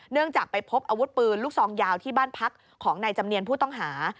จากไปพบอาวุธปืนลูกซองยาวที่บ้านพักของนายจำเนียนผู้ต้องหา